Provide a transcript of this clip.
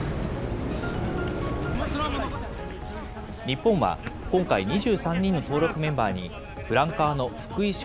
日本は、今回、２３人の登録メンバーに、フランカーの福井翔